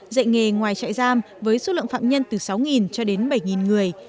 dạy nghề ngoài chạy giam với số lượng phạm nhân từ sáu cho đến bảy người